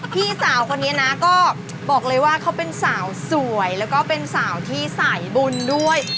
พี่สาวคนนี้นะก็บอกเลยว่าเขาเป็นสาวสวยแล้วก็เป็นสาวที่สายบุญด้วย